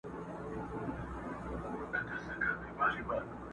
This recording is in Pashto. امتياز يې د وهلو کُشتن زما دی!